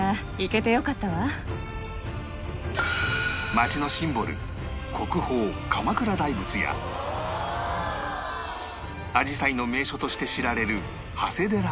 街のシンボル国宝鎌倉大仏やアジサイの名所として知られる長谷寺など